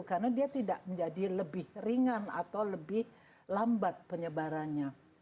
karena dia tidak menjadi lebih ringan atau lebih lambat penyebarannya